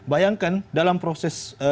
bayangkan dalam proses